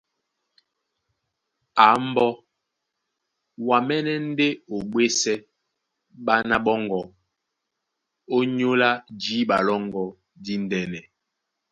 A mbɔ́, wǎmɛ́nɛ́ ndé o ɓwésɛ́ ɓána ɓɔ́ŋgɔ̄ ónyólá jǐɓa lɔ́ŋgɔ̄ díndɛ́nɛ.